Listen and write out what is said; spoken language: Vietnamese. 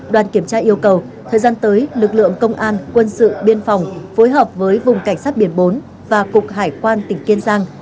đoàn kiểm tra yêu cầu thời gian tới lực lượng công an quân sự biên phòng phối hợp với vùng cảnh sát biển bốn và cục hải quan tỉnh kiên giang